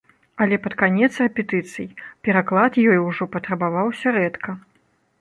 Але пад канец рэпетыцый пераклад ёй ужо патрабаваўся рэдка.